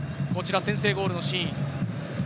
こちら先制ゴールのシーン。